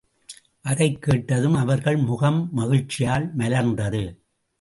அதைக் கேட்டதும் அவர்கள் முகம் மகிழ்ச்சியால் மலர்ந்தது.